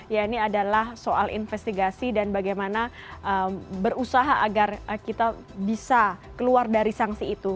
ya ini adalah soal investigasi dan bagaimana berusaha agar kita bisa keluar dari sanksi itu